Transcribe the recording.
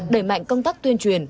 đẩy mạnh công tác tuyên truyền